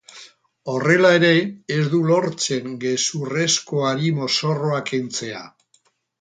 Horrela ere ez du lortzen gezurrezkoari mozorroa kentzea.